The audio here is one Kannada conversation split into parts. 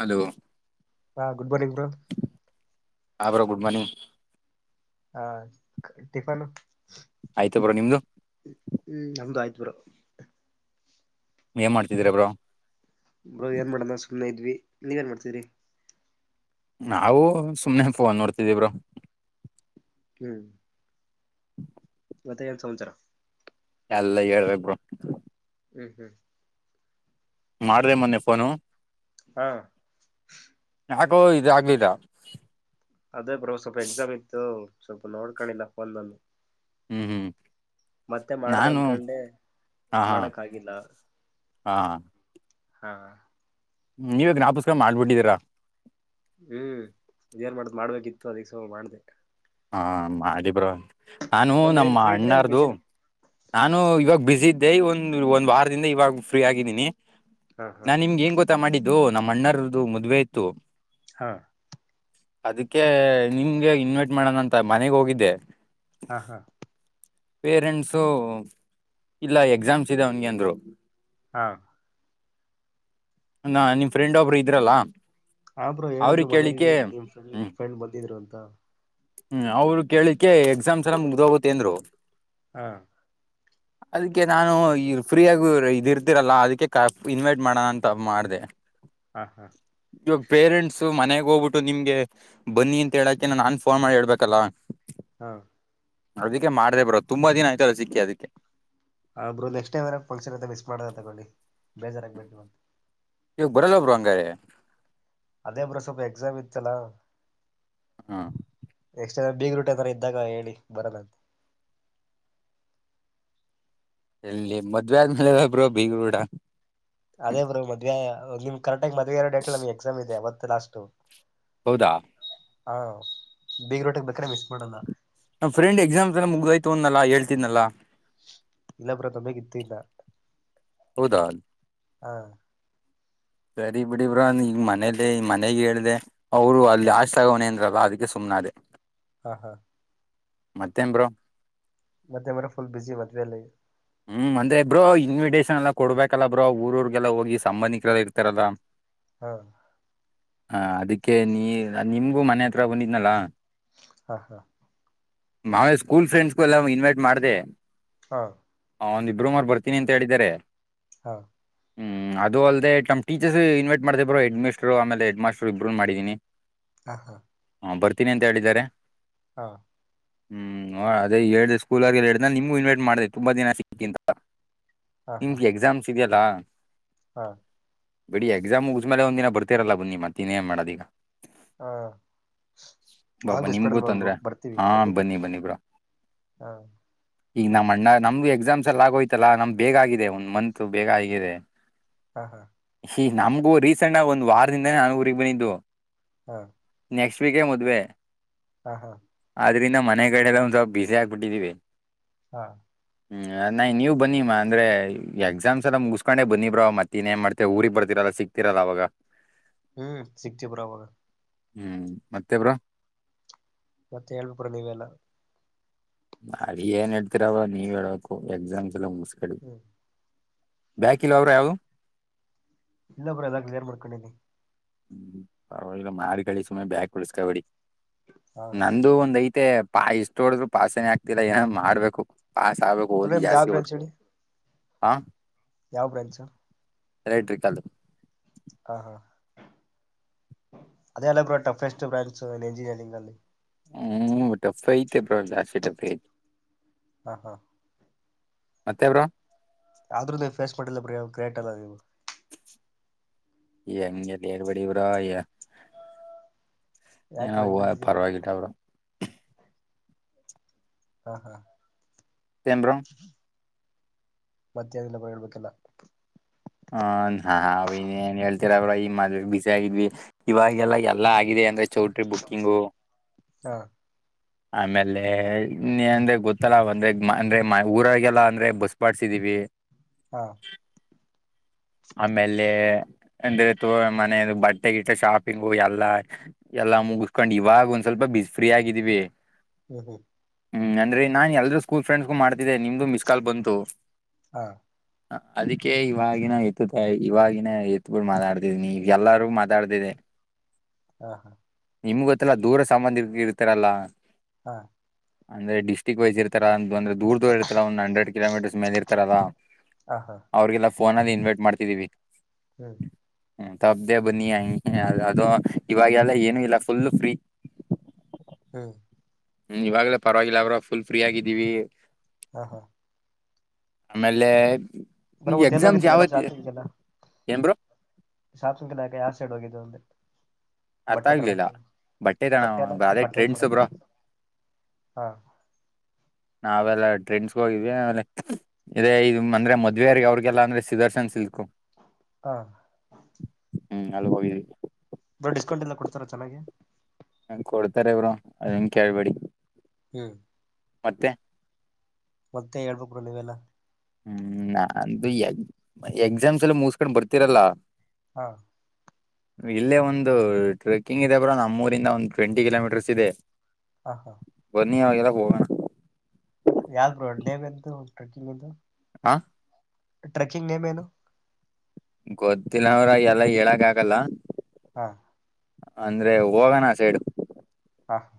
ಹಲೋ ಹಾ ಗುಡ್ ಮಾರ್ರ್ನಿಂಗ್ ಬೋ ಹಾ ಬ್ರೋ ಗುಡ್ ಮಾರ್ನಿಂಗ್ ಹಾ ಟಿಫನ್ ಆಯ್ತು ಬ್ರೋ ನಿಮ್ದು ಹ್ಮ್ ನಮ್ದು ಆಯ್ತ್ ಬ್ರೋ ಏನ್ ಮಾಡ್ತಿದ್ರ ಬ್ರೋ ಬ ಏನ್ ಮಾಡೋ ಸುಮ್ಮನೆ ಇದ್ವಿ ನೀವಏನ್ ಮಾಡ್ತೀರಿ ನಾವು ಸುಮ್ನೆ ಫೋನ್ ನೋಡ್ತಿದೀವಿ ಬ್ರೋ ಹ್ಮ್ [unintelligible] ಮತ್ತ್ ಏನ ಸಮಾಚಾರ ಎಲ್ಲ ಹೇಳ್ಬೇಕ ಹ್ಮ್ ಹ್ಮ್ ಮಾಡ್ರಿ ಮೊನ್ನೆ ಫೋನು ಹಾ ಯಾಕೋ ಇ ಆಗ್ಲಿದ ಅದೇ ಬ್ರೋ ಸ್ವಲ್ಪ ಎಕ್ಸಾಮ್ ಇತ್ತು ಸ್ವಲ್ಪ ನೋಡ್ಕೊಂಡಿಲ್ಲಫಂದನ್ನು ಹ್ಮ್ ಹ್ಮ್ ಮತ್ತೆ ಮಾಡದ ನಾನು ಅನ್ಕೊಂಡೆ ಹಾ ಹಾ ಮಾಡಕ್ ಗಿಿಲ್ಲ ಹಾ ಹಾ ನೀವೇ ಜ್ಪುಸ್ಕ ಮಾಡ್ಬಿಟ್ಟಿದ್ದೀಾ ಹ್ಮ್ ಇದೇನ್ ಮಾಡ್ದ ಮಾಡ್ಬೇಕಿತ್ತು ಅದಕ್ಕೆ ಸ ಮಾಡ್ದ ಹಾ ಮಾಡಿಬ್ರ ನಾನು ಬ್ರೋ ನೀವೇನ್ ನಮ್ಮ ಫ್ರೀ ಇದ್ರೆ ಏನ್ ಅಣ್ಣಾರದುು ಬಿಸಿನ ನಾನು ಇವಾಗ ಬಿಸಿ ಇದ್ದೆ ಒಂದ ಒಂದ್ ವಾರದಿಂದ ಇವಾಗ ಫ್ರೀ ಆಗಿದ್ದೀನಿ ಹಾ ಹಾ ನಾ ನಿಮ್ಗೆ ಂಗ್ ಗೊತ್ತಾ ಮಾಡಿದ್ದು ನಮ್ಮ ಅಣ್ಣರ್ದ್ದು ಮದ್ವೆ ಇತ್ತು ಹಾಂ ಅದಕ್ಕೆ ನಿಮ್ಗೆ ಇನ್ವೈಟ್ ಮಾಡೋಣಂತ ಮನೆಗೆ ಹೋಗಿದ್ದೆ ಹಾ ಹಾ ಪೇರೆಂಟ್ಸು ಇಲ್ಲ ಎಕ್ಸಾಮ್ಸ್ ಇದದೆ ಅವನ್ಗೆ ಅಂದ್ರು ಹಾ ನ ನಿಮ್ ಫ್ರೆಂಡ್ ಒಬ್ರು ಇದ್ರಲ್ಲಾ ಆಬ್ ರು ಹೇಳಿದ್ರು ಮೊಲಿ ನಿಮ್ ಹ್ಮ್ ಫ್ರೆಂಡ್ ಬಂದಿದ್ರು ಅಂತ ಹ್ಮ್ ಅವ್ರು ಕೇಳಲಿಕ್ಕೆ ಎಕ್ಸಾಮ್ ಸಲ ಮುಗ್ದೋಗತ್ ಏನ್ ಹಾ ಅದಕ್ಕೆ ನಾನು ಈ ಫ್ರೀಯಗು ಇದ ಇರ್ತಿರಲ್ಲಾ ಅದಕ್ಕೆ ಕ ಇನ್ವೈಟ್ ಮಾಡೋಣ ಅಂತ ಮಾಡಿದೆ ಹಾ ಹಾ ಇವಾಗ ಪೇರೆಂಟ್ಸ್ ಮನೆಗೆ ಹೋಗ್ಬಿಟ್ಟು ನಿಮಗೆ ಬನ್ನಿ ಅಂತ ಹೇಳಕೆ ನನ್ ಫೋನ್ ಮಾಡಿ ಹೇಳ್ಬೇಕಲ್ಲ ಹಾ ಅದಿಕ್ಕೆ ಮಾಡ್ದೆ ಬ್ರು ತುಂಬಾ ದಿನ ಆಯ್ತಲ್ಲ ಸಿಕ್ಕಿ ಅದಿಕ್ಕೆ ಹಾ ಬ್ರು ನಕ್ಸ್ ಟೈಮ್ ಎನರ ಫಂಕ್ಷನ್ ಅಂತ ಮಿಸ ಮಾಡ್ದೆ ತಗೊಳ್ಳಿ ಬೇಜಾರಾಗ ಬೇಡಿ ಈವಗ್ ಬರಲ್ವ ಬ್ರು ಹಂಗಾರೆ ಅದೇ ಬ್ರು ಸ್ವಲ್ಪ ಎಕ್ಸಾಮ್ ಇತ್ತಲಾ ಹಾ ನೆಕ್ಸ್ಟ್ ಬೀಗ ರೂಟ ಯಾದರು ಇದ್ದಾಗ ಹೇಳಿ ಬರೋದಂತೆ ಎಲ್ಲಿ ಮದ್ವೆ ಆದ್ಮೇಲೆ ಅಲ ಬ್ರು ಬೀಗ್ರೂಟ ಅದೇ ಬ್ರೋ ಮದ್ವೆ ನಿಮ್ ಕರೆಕ್ಟ್ ಆಗಿ ಮದ್ವೆ ಇರ ಡೇಟ್ಲೆ ನಮ್ ಎಕ್ಸಾಮ್ ಇದೆ ಅವತ್ತೆ ಲಾಸ್ಟು ಹೌದಾ ಹಾ ಬಿಗ್ ರೋಟಕ್ ಬೇಕರೆ ಮಿಸ್ ಮಾಡಲ್ಲ ನಮ್ ಫ್ರೆಂಡ್ ಎಕ್ಸಾಮ್ಸ್ ಎಲ ಮುಗ್ದೋಯ್ತು ಅಂದ್ನಲ್ಲ ಹೆಳ್ತಿದ್ನಲ್ಲ ಇಲ್ಲ ಬ್ರು ತಬೆ ಗಿತ್ತು ಇಲ್ಲ ಹೌದಾ ಹಾ ಸರಿ ಬಿಡಿ ಬ್ರು ಈಗ ಮನೇಲಿ ಈ ಮನೆಗ್ ಹೇಳ್ದೆ ಅವರು ಅಲ್ಲಿ ಹಾಷ್ಟ ತಗೋಣೆ ಅಂದ್ರಲ ಅದಿಕ್ಕೆ ಸುಮ್ಮನಾದೇ ಹಾ ಹಾ ಮತ್ತೇನ್ ಬ್ರು ಮತ್ತೆ ಮೇಡಂ ಫುಲ್ ಬಿಜಿ ಮದ್ವೇ ಲೈಫ್ ಹ್ಮ್ ಅಂದ್ರೆ ಬ್ರೋ ಇನ್ವಿಟೇಷನ್ ಎಲ್ಲಾ ಕೊಡ್ಬೇಕಲ್ಲ ಬ್ರೋ ಊರೂಊರಿಗೆಲ್ಲ ಹೋಗಿ ಸಂಬಂಧಿಕರೆಲ್ಲ ಇರ್ತಾರಲ್ಲ ಹಾ ಹಾ ಅದಿಕ್ಕೆ ನೀ ನಿಮ್ಗೂ ಮನೆ ಹತ್ರ ಬಂದಿದ್ನಲ್ಲಾ ಹಾ ಹಾ ಮಾಾವೇ ಸ್ಕೂಲ್ ಫ್ರೆಂಡ್ಸ್ಗುಲ್ಲ ಇನ್ವೈಟ್ ಮಾಡ್ದಿದೆ ಹಾಂ ಹ ಒಂದು ಇಬ್್ರೂಮರ್ ಬರ್ತೀನಿ ಅಂತ ಹೇಳಿದಿದ್ದಾರೆ ಹಾ ಹ್ಮ್ ಅದೆೇ ನಮ್ಮ ಟೀಚರ್ಸ್ ಇನ್ವೈಟ್ ಮಾಡತೇ ಬೋ ಹೆಡ್ ಮಿಸ್ಟರ್ ಆಮೇಲೆ ಹೆ ಮಾಸ್ಟ್ರು ಇಬ್ಬರುನ್ ಮಾಡಿದಿನಿ ಹಾ ಹಾ ಹಾ ಬರ್ತೀನಿ ಅಂತ ಹೇಳಿದ್ದಾರೆ ಹಾ ಹ್ಮ್ ಅದೇ ಹೇಳ್ದ ಸ್ಕೂಲ್ ಆರ್ ಹೇಳ್ದ ನಿಮಗು ಇನ್ವೈಟ್ ಮಾಡಿದೆ ತುಂಬಾ ದಿನ ಸಿಕ್ಕಿಂತ ಹಾ ಹಾ ಹಾ ನಿಮ್ಗೆ ಎಕ್ಸಾಮ್ಸ್ ಇದೆಯಲ್ಲಾ ಹಾ ಬಿಡಿ ಎಕ್ಸಾಮ್ ಉು್ಮೇಲೆಂದಿನ ಬರ್ತಿರಲ್ಲ ಬನ್ನಿ ಮತ್ತ ಇನ್ನೇನ್ ಮಾಡದು ಈಗ ಹಾ ಪಾಪ ಆಗ್ ನಿಮಗೂ ಬಿಸಪೇಟಲ್ ಹೋಗ್ಬೋ ತೊಂದರೆ ಬರ್ತೀವಿ ಹಾಂ ಖಂಡಿತ ಬನ್ನಿ ಬನ್ನಿ ಬ್ರೋ ಹಾ ಈಗ ನಮ್ಮ್ ಅಣ್ಣ ನಮ್ದು ಎಕ್ಸಾಮ್ಸ್ ಎಲ್ಲ ಆಗೋಯ್ತಲ್ಲಾ ನಮ್ ಬೇಗ ಆಗಿದೆ ಒಂದ್ ಮಂತ್ ಬೇಗ ಆಗಿದೆ ಹಾ ಹಾ ಹ ನಮಗೂ ರೀಸೆಂಟ್ ಆಗ ಒಂದ ವಾರದಿಂದಾನೇ ನಾನು ಊರಿಗೆಗ್ ಬಂದಿದ್ದು ಹಾಂ ನೆಕ್ಸ್ಟ್ ವೀಕೇ ಮದ್ವೆ ಹಾ ಹಾ ಆದದ್ರಿಂದ ಮನೆ ಕಡೆಲ್ಲ ಒಂದ್ ಸ್ವಪ ಬಿಸಿ ಆಕ್ಬಿಟ್ಟಿದ್ದೀವಿ ಹಾ ಹ್ಮ ನ್ ನೀವವು ಬನ್ನಿಮ್ಮ ಅಂದ್ರೆ ಎಕ್ಸಾಮ್ಸ್ ಎಲ್ಲ ಮುಗಿಸಸ್ಕೊಂಡೆ ಬನಿ ಬ್ರೋ ಮತ್ತ ಇನ್ ಏನ್ ಮಾಡ್ತೆ ಊರಿಗೆಗ್ ಬರ್ತಿರಲ್ಲ ಸಿಕ್ತಿರಲ್ಲ ಅವಾಗ ಹ್ಮ್ ಸಿಕ್ಚೆ ಪುರಾವಾಗ ಹ್ಮ್ ಮತ್ತೆ ಬ್ರೋ ಮತ್ತೆ ಹೇಳ್ಬಿುಡ ನೀವೆಲ್ಲಾ ಅಡಿ ಏನ್ ಹೇಳ್ತಿರ ಅವ ನೀವ್ ಹೇಳಕು ಎಕ್ಸಾಮ್ಸ್ ಎಲ್ಲ ಮುಸ್ಕಡಿ ಹ್ಮ್ ಬ್ಯಾಕ ಇಲ ಅವ್ರ ಯಾವವು ಇಲ್ಲ ಬರ್ರ ಎಲ್ಲ ಕ್ಲಿಯರ್ ಮಾಡ್ಕೊಂಡೇನೆ ಹ್ಮ್ ಪರವಾಗಿಲ್ಲ ಮಾರ್ಗಳಳಿ ಸುಮನೆ ಬ್ಯಾಗ ಕೊಳಸ್ಕಬೇಡಿ ಹಾ ನಂದು ಒಂದ್ ಐತೆ ಪಾಯ ಇಷ್ಟೋಳಿದ್ರು ಪಾಸನೆ ಆಗ್ತಿಲ್ಲ ಏನ ಮಾಡ್ಬೇಕು ಪಸ್ ಆಗ್ಬೇಕು ಬ್ರೋ ಓದ್ ನಿಮ್ದು ಯಾವ ಜಾಸ್ತಿ ಓದ ಬ್ರಾಂಚ್ ಹೇಳಿ ಹ ಯಾವ ಬ್ರ್ಯಾಂಚ್ ರೈಟ್ರಿಕ್ದು ಹಾ ಹಾ ಅದೇ ಅಲ್ಲ ಥಾಗೆಸ್ಟ್ ಬ್ರಾಂಚ್ಸ್ ಎಂಜಿನಿಯರಿಂಗ್ ಅಲ್ಲಿ ಹ್ಮ್ ಟಫ ಐತೆ ಪ್ರ ದಾಸಿ ಟಫ ಐತಿ ಹಾ ಹಾ ಮತ್ತೆ ಬ್ರೋ ಆದ್ರೂ ನೀವು ಫೇಸ್ ಮಾಡ ಕ್ರೇಟ್ ಅಲ್ಲ ನೀವು ಎಂಗೆ ಬೇಗ್ [unintelligible] ಬ್ರೊ ಯಾಕ ಬ್ರೋ ಏನವ ಹಿಂಗಂತಿದೀರಾ ಪರವಾಗಿದ ಬಿಡು ಹಾ ಹಾ ಏನ್ ಬ್ರೋ ಮತ್ ಏನ್ ಬ್ರೊ ಹೇಳ್ಬೇಕೆಲ್ಲ ಹ ಹಾ ಅವ ಇನೇನ್ ಹೇಳ್ತರ ಬ್ರೊ ಈ ಮದ್ ಬಿಸಿ ಆಗಿದ್ವಿ ಇವಾಗೆಲ್ಲ ಎಲ್ಲಾ ಆಗಿದೆ ಅಂದ್ರೆ ಚೌಟ್ರಿ ಬುಕ್ಕಿಂಗು ಹಾ ಆಮೇಲೆ ನೀ ಅಂದ್ರೆ ಗೊತ್ತಲ್ಲ ಅಂದ್ರೆ ಅಂದ್ರೆ ಊರಾಗಲ್ಲ ಅಂದ್ರೆ ಬಸ್ ಮಡ್ಸಿದೀವಿ ಹಾ ಆಮೇಲೆ ಅಂದ್ರೆ ತಕೊ ಮನೆಯಲ್ ಬಟ್ಟೆ ಗಿಟ್ಟ ಶಾಪಿಂಗು ಎಲ್ಲಾ ಎಲ್ಲಾ ಮುಗಸ್ಕೊಂಡ್ ಇವಾಗ ಒಂದ್ ಸ್ವಲ್ಪ ಬಿಸ್ ಫ್ರೀ ಆಗಿದ್ವಿ ಹ್ಮ್ ಹ್ಮ್ ಹ್ಮ್ ಅಂದ್ರೆ ನಾನ್ ಎಲ್ರೂ ಸ್ಕೂಲ್ ಫ್ರೆಂಡ್ಸ್ಗು ಮಾಡ್ತಿದ್ದೆ ನಿಮ್ದು ಮಿಸ್ ಕಾಲ್ ಬಂತು ಹಾ ಹ ಅದಕ್ಕೆ ಇವಾಗಿನ ಇತ್ ಇ ಇವಾಗಿನ ಏತ್ ಬಿಟು ಮಾತಾಡತಿದನಿ ಎಲ್ಲಾರಗ ಮಾತಾಡತಿನಿ ಹಾ ಹಾ ನಿಮ್ಗೆ ಗೊತ್ತಿಲ್ಲಾ ದೂರ ಸಂಬಂಧಿ ಇರ್ತಾರಲ್ಲಾ ಹಾ ಅಂದ್ರೆ ಡಿಸ್ಟ್ರಿಕ್ ವೈಸ್ ಇರ್ತಾರ [unintelligible] ದೂರ್ ದೂರ್ ಇರ್ತಾರ ಒಂದು ಹಂಡ್ರೆಡ್ ಕಿಲೋಮೀಟರ್ಸ್ ಮೇಲೆ ಇರ್ತಾರಲ್ಲ ಹಾ ಹಾ ಅವ್ರರಿಗೆಲ್ಲ ಫೋನ ಅಲ್ಲೆ ಇನ್ವಿಟ್ ಮಾಡ್ತಿದ್ದೀವಿ ಹ್ಮ್ ಹ್ಮ ತಪ್ಪ್ದೇ ಬನ್ನಿ ಹಂಗೆ ಅದು ಇವಾಗೆಲ್ಲ ಏನು ಇಲ್ಲ ಫುಲ್ ಫ್ರೀ ಹ್ಮ ಹ್ಮ್ ಇವಾಗ್ಲೇ ಪರವಾಗಿಲ್ಲ ಬ್ರೋ ಫುಲ್ ಫ್ರೀ ಆಗಿದ್ದೀವಿ ಹಾಂ ಹಾ ಆಮೇಲೆ ಬ್ರೋ ಮತ್ತೆ ಎಲ್ ಎಕ್ಸಾಮ್ಸ್ ಹೋಗಿದ್ದೆ ಯಲ್ಲ ಯಾವತ್ ಶಾಪಿಂನ್ಗೆ ಏನ್ ಬ್ರೋ ಯಲ್ಲ ಅರ್ಥ ಬಟ್ಟೆ ಆಗ್ಲಿಲ್ಲ ತರಕೆ ತಣ ಬಟ್ಟೆ ಎಲ್ಲ ಅದೇ ಪರ್ಚೇಸ್ ಟ್ರೆಂಡ್ಸ್ ಮಾಡಕೆ ಬ್ರೋ ಹಾ [inaudible] ನಾವೆಲ್ಲ ಡ್ರಿಂಕ್ಸ್ ಹೋಗಿದೆ ಆಮೇಲೆ ಏಯ್ ಇದು ಅಂದ್ರೆ ಮದ್ವೆಯರಿಗೆ ಅವ್ರಿಗೆಲ್ಲ ಅಂದ್ರೆ ಸುದರ್ಶನ್ ಸಿಲ್ಕು ಹಾ ಹ್ಮ್ ಅಲ್ ಹೋಗಿ ಬ್ರೋ ಡಿಸ್ಕೌಂಟ್ ಎಲ್ಲ ಕೊಡ್ತಾರ ಚನ್ನಾಗಿ ಹ ಕೊಡ್ತಾರೆ ಬ್ರೋ ಅದನ್ ಕೇಳ್ಬೇಡಿ ಹ್ಮ್ ಮತ್ತೆ ಮತ್ತೆ ಹೇಳ್ಬೇಕು ಬ್ರೋ ನೀವೆಲ್ಲ ಹ್ಮ್ ಅಂದು ಎಕ್ಸಾಮ್ಸ್ ಎಲ್ಲ ಮುಸ್ಕೊಂಡ್ ಬರ್ತಿರಲ್ಲಾ ಹಾಂ ಇಲ್ಲೇ ಒಂದು ಟ್ರೆಕ್ಕಿಂಗ್ ಇದೆ ಬ್ರೋ ನಮ್ಮೂರಿಂದ ಒಂದು ಟ್ವೆಂಟಿ ಕಿಲೋಮೀಟರ್ಸ್ ಇದೆ ಹಾ ಹಾ ಬನ್ನಿ ಅವೆಲ್ಲ ಹೋಗಣ ಯಾವ್ದ ಬರು ಅಡ್ಡೇ ಬಂತ ಟ್ರೆಕ್ಕಿಂಗ್ ಆಾಂ ಟ್ರೆಕ್ಕಿಂಗ ನೇಮೇನು ಗೊತ್ತಿಲ್ಲ ಅವ್ರ ಎಲ್ಲ ಹೇಳಾಗ ಆಗಲ್ಲ ಹಾ ಅಂದ್ರೆ ಹೋಗಣ ಸೈಡು ಹಾ ಹಾ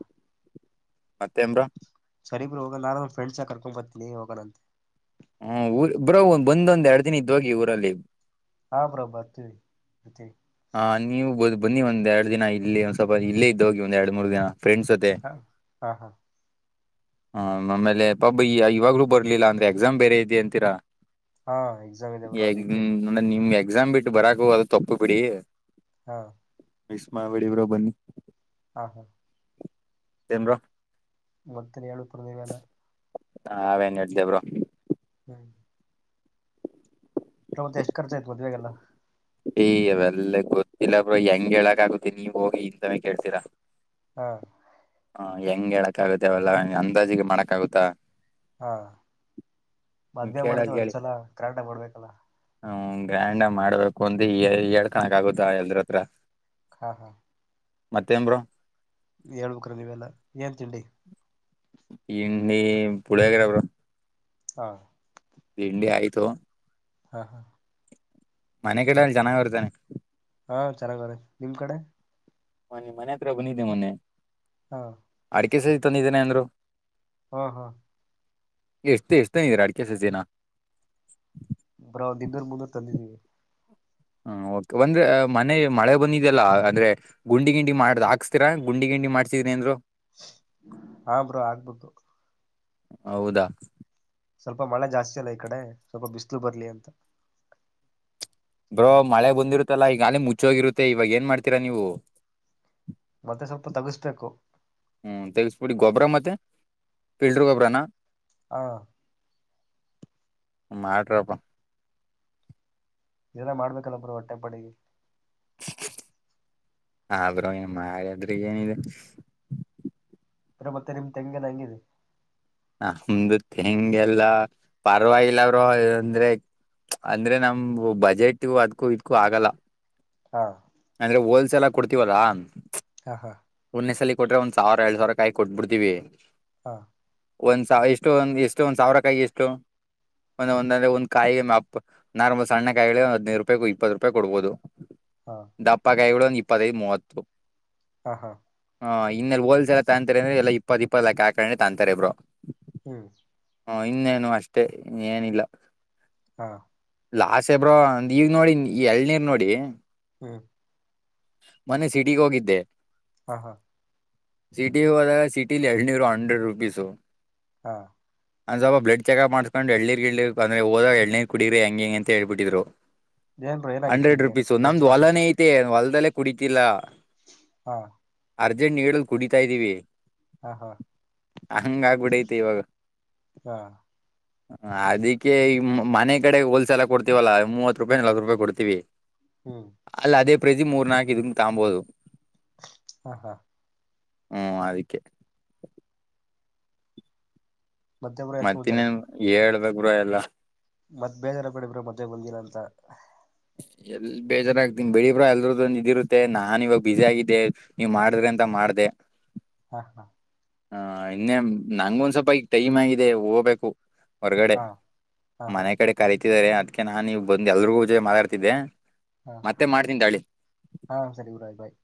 ಮತ್ತೆಂಬ್ರ ಸರಿಬ್್ರ ಹೋಗ ನು ಫ್ರೆ್ಸ ಕರ್ಕೊ ಬರ್ತಿನನಿೋಗಣ ಅಂತ ಹ್ಮ್ ಬ್ರೋ ಒ್ಂದೊಂದ್ ಎರಡ್ ದಿನ ಇದ ಹೋಗಿ ಊರಲ್ಲಿ ಹಾ ಪ್ರಭಾತ ಹ ನೀವು ಬ್ ಬನ್ನಿ ಒಂದ್ ಎರಡ್ ದಿನ ಇಲ್ಲಿ ಒಂದ್ ಸ್ವಲ್ಪ ಇಲ್ಲೇ ಇದ್ದ ಹೋಗಿ ಒಂದ್ ಎರಡ್ ಮೂರ್ ದಿನ ಫ್ರೆಂಡಂಡ್ಸ್ ಹೊತೆ ಹಾ [unintelligible] ಹ ಆಮೇಲೆ ಪಾಬ ಇವಾಗ್ಲೂ ಬರ್ಲಿಲ್ಲ ಅಂದ್ರೆ ಎಕ್ಸಾಮ್ ಬೇರೆ ಇದೆ ಅಂತೀರಾ ಹಾ ಎಕ್ಸಾಮ್ ಇದೆ ಬ್ರೋ ಎ ಅದಿಕ್ಕೆ ನ ನಿಮ್ ಎಕ್ಸಾಮ್ ಬಿಟ್ಟು ಬರಾಕ ಅದು ತಪ್ಪ ಬಿಡಿ ಹಾ ಮಿಸ ಮಾಡಬಡಿ ಇಬ್ರು ಬನ್ನಿ ಹಾ ಹಾ ತೆ್ರ ಮತ್ತಿನ ಏಳು ಪ್ರದಲ್ಲ ಹ ಅವೇನ್ ಹಡ್್ದೇಬ್ರು ಹ್ಮ ಪ್ರ ಎಷ್ಟುಖರ್ಚಯ್ತದುೇಗ ಎಲ್ಲ ಏ ಅವಲ್ಲ ಗೊತ್ತಿಲ್ಲ ಬ್ರ ಹೆಂಗ್ ಹೇಳಕ್ ಆಗುತ್ತೆ ನೀವ್ ಹೋಗಿ ಇಂತಾನೇ ಕೇಳ್ತೀರಾ ಹಾ ಹ ಹೆಂಗ್ ಹೇಳಕ್ ಆಗುದೇವಲ್ಲ ಅಂದಾಜಿಗೆ ಮಾಡಕ್ ಆಗುತ್ತಾ ಹಾ ಮದುವೆ ಮಾಡ್ದೆ ಒಂದ್ಸಲ ಕರಾಂಟಾಗಿ ಮಾಡಡ್ಬೇಕಲ್ಲ ಹ್ಮ ಗ್ರ್ಯಾಂಡ್ ಮಾಡ್ಬೇಕು ಅಂದು ಎರಡ್ ಕಣಕ್ ಆಗುದಾ ಎಲ್ರ ಹತ್ರ ಹಾ ಹಾ ಮತ್ತೇಂಬರು ಹೇಳ್ಬೇಕ್ರ ನೀವೆಲ್ಲಾ ಏನ್ ತಿಂಡಿ ಇನ್ನ ಪುಳಿಯಗರ ಅವ್ರ ಹಾ ತಿಂಡಿ ಆಯ್ತು ಹಾಂ ಹಾ ಮನೆ ಕಡೆಯಲ್ಲಿ ಚನಾಗಾಗಿ ಇರ್ತಾನೆ ಹಾ ಚೆನ್ನಾಗ ರೀ ನಿಮ್ ಕಡೆ ಹ ನಿ ಮನೆ ಹತ್ರ ಬಂದಿದ್ದೆ ಮೊೆ ಹಾ ಅಡಿಕೆ ಸದ ತಂದಿದ್ದೇನೆ ಅಂದ್ರು ಹಾ ಹಾ ಎಷ್ಟು ಎಷ್ಟು ಇದ್ರಾ ಅಡಿಕೆ ಸಜಿನನಾ ಬ್ರ ಒ್ ಇನ್ನೂರ್ ಮುನ್ನೂರು ತಂದಿದೀವಿ ಹ್ಮ ಓಕೆ ಒಂದ್ರೆ ಮನೆ ಮಳೆ ಬಂದಿದಲ್ಲ ಅಂದ್ರೆ ಗುಂಡಿ ಗಿಂಡಿ ಮಾಡ್ದ್ ಹಾಕ್ಸ್ತೀರ ಗುಂಡಿ ಗಿಂಡಿ ಮಾಡ್ಸಿದೀನಿಏಂದ್ರು ಹಾ ಬ್ರೋ ಆಗ್ಬದು ಹೌದಾ ಸ್ವಲ್ಪ ಮಳೆ ಜಾಸ್ತಿ ಅಲ್ಲ ಈ ಕಡೆ ಸ್ವಲ್ಪ ಬಿಸ್ಲು ಬರ್ಲಿ ಅಂತ ಬ್ರೋ ಮಳೆ ಬಂದಿರುತ್ತಲ್ಲಾ ಈಗ ಅಲೇ ಮುಚ್ಚೋಗರುತ್ತೆ ಇವಾಗ ಏನ್ ಮಾಡ್ತೀರಾ ನೀವು ಮತ್ತೆ ಸ್ವಲ್ಪ ತಗಸ್ಕು ಹ್ಮ ತೆಗೆಸ್ಬೇಡಿ ಗೊಬ್ರ ಮತ್ತೆ ಫಿಲ್ಟರ್ ಗೊಬ್ಬರ ಹಾ ಮಾಡ್ರಪ್ಪ ಇದೆಲ್ಲ ಮಾಡ್ಬೇಕಲ್ಲ ಬ್ರರು ಹೊಟ್ಟೆ ಪಡಿಗೆ ಹ ಬ್ರೋ ಏನು ಮಾಡದ್ರ ಏನಿದೆ ಅ ಮತ್ತೆಮ್ ತಂಗ ಹಂಗಿದೆ ನಮ್ದು ತೆಂಗ ಎಲ್ಲ ಪರವಾಗಿಲ್ಲ ಅವರು ಅಂದ್ರೆ ಅಂದ್ರೆ ನಮ ಬಜೆಟ್ ಅದ್ಕೂ ಇದ್ಕೂ ಆಗಲ್ಲ ಹಾ ಅಂದ್ರೆ ಹೋಲ್ಸೆಲ್ ಕೊಡ್ತೀವಲ್ಲಾ ಹಾ ಹಾ ಒಂದೆಸಲಿ ಕೊಟ್ರ ಒಂದ್ ಸಾವಿರಡ್ ಸಾವರ ಕಾಯಿ ಕೊಬ ಬಿಡ್ತೀವಿ ಹಾ ಒಂದ್ ಸಾವ ಇಷ್ಟು ಒಂದ ಎಷ್ಟು ಒಂದ್ ಸಾವಿರ ಕಾಯಿ ಎಷ್ಟು ಒಂದ ಒಂದಂದ್ರೆ ಒಂದ್ ಕಾಯಿಗೆ ಮಪ್ ನಾರ್ಮ ಒ ಸಣ್ಣ ಕಾಯಿ ಹದಿನೈರು ರೂಪಾಯೂ ಇಪ್ಪತ್ ರೂಪಾಯ್ ಕೊಡ್ಬಹದು ಹಾ ದಪ್ಪ ಕಾಯಗಳು ಒ ಇಪ್ಪತ್ತದು ಮೂವತ್ತು ಹಾ ಹಾ ಹಾ್ಇನ್ನೆ ಹೋಲ್ಸೆ ಎ ತಂತಾರೆ ಅಂದ್ರ ಎ ಇಪ್ಪತ್ತ ಇಪ್ಪತ್ ಲಾಕ್ ಹಾಕೊಂಡ್ರೆ ತಂತಾರೆ ಇಬ್ಬರು ಹ್ಮ್ ಹ ಇನ್ನೇನು ಅಷ್ಟೇ ಏನಿಲ್ಲ ಹಾ ಲಾಸ್ ಬ್ರೋಂದ ಈಗ ನೋಡಿ ಎಳ್ನೀರ್ ನೋಡಿ ಹ್ಮ್ ಮುನೆ ಸಿಟಿಗೆ ಹೋಗಿದ್ದೆ ಹಾ ಹಾ ಸಿಟಿ ಹೋದಾಗ ಸಿಟಿಲಿ ಎರನರು ಹಂಡ್ರೆಡ್ ರುಪೀಸು ಹಾ ಅಂದ್ವಲ್ಪ ಬ್ಡ್ ಚಕಪ್ ಮಾಡ್ಕೊಂಡ ಎಳ್ಳಿರ್ರ್ ಅ್ರ ಹದ ಎಳ್ಳನರ್ ಕುಡಿರರಿ ಹೆಂಗಗೆ ಹೆಂ ಅಂತ ಹ ಹೇಳಳ್ಬಿಟ್ಟಿದರು ಏನ್ ಬ್ರೋ ಏನಾಗಿತ್ತು ಹಂಡ್ರೆಡ್ ನಿಮ್ಗೆ ರುಪೀಸು ಬ್ಲಡ್ ನಮ್ದು ಚೆಕಪ್ ಮಾಡ್ಸ ಹೊಲನ ಐತೆ ಹೊಲದಲ್ಲೇ ಕುಡತಿಲ್ಲ ಹಾ ಅರ್ಜೆಂಟ್ ಹೇಳಲ್ ಕುಡಿತಾ ಇದ್ದೀವಿ ಹಾ ಹಾ ಹಂಗಾಗಬಡಿ ಇವಾಗ ಹಾ ಅದಕ್ಕೆ ಈ ಮನೆ ಕಡೆಗೆ ಹೋಲ್ಸೆಲ್ಲ ಕೊಡ್ತಿವಲ್ಲ ಮೂವತ್ ರೂಪಾಯಿ ನಲ್ವತ್ತು ರೂಪಾಯಿ ಕೊಡ್ತೀವಿ ಹ್ಮ ಅಲ್ಲ ಅದೇ ಪ್ರತಿ ಮೂರ್ ನಾಕಕ್ ಇದಂಗ ತಗಂಬಹದು ಹಾ ಹಾ ಹ್ಮ್ ಅದಕ್ಕೆ ಮತ್ತೆ ಬ್ರೋ ಏನ್ ಸಮಾಚಾರ ಮತ್ತನ್ನ್ ಹೇಳ್ಬೇಕ್ರ ಎಲ್ಲಾ ಮತ್ತ್ ಬೇಜಾರ ಕಡೆ ಬಿ್ರ ಮದ್ೆ ಒಂದಿನ ಅಂತ ಎಲ್ ಬೇಜಾರಾಗ್ತೀನಿ ಬೆಳಿ ಬ್ರಾ ಎಲ್ರದ ಇದಿರುತ್ತೆ ನಾಾನನ್ ಇವಾಗ ಬಸಿ ಆಗಿದ್ದಿದೆ ನೀವ್ ಮಾಡಿದ್ರೆಂತ ಮಾಡ್ದೆ ಹಾ ಹಾ ಹ ಇನ್ನೆ ನಂಗ ಒಂದ್ ಸ್ವಲ್ಪ ಈಗ ಟೈಮ್ ಆಗಿದೆ ಹೋಗ್ಬೇಕು ಹೊರಗಡೆ ಹಾ ಹಾ ಹಾ ಮನೆ ಕಡೆ ಕರತಿದ್ದಾರೆ ಅದ್ಕ್ಕೆ ನಾನ್ ನೀವು ಬಂದು ಎಲ್ರಿಜೊತೆ ಮಾತಾಡ್ತ ಹಾ ಮತ್ತೆ ಮಾಡ್ತನ್ ತಳಿ ಹಾ ಸರಿ ಗಊರಾಯ್ ಬಾಯ್